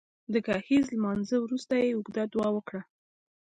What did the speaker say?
د ګهیځ لمانځه وروسته يې اوږده دعا وکړه